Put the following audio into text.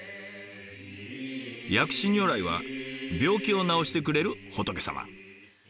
薬師如来は病気を治してくれる仏様。